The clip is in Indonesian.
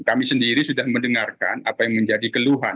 kami sendiri sudah mendengarkan apa yang menjadi keluhan